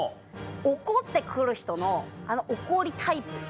怒って来る人の怒りタイプ。